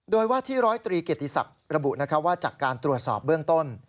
โดยว่าที่ร้อยตรีเกียรติศักดิ์ระบุว่าจากการตรวจสอบเบื้องต้น